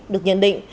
được nhận định